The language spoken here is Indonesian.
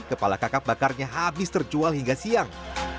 kepala kakap bakarnya habis terjual hingga siang